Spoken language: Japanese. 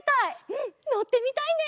うんのってみたいね！